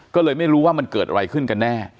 ก็เลยไม่รู้ว่ามันเกิดอะไรขึ้นกันแน่